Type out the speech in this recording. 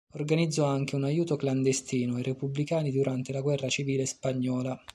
Organizzò anche un aiuto clandestino ai repubblicani durante la guerra civile spagnola.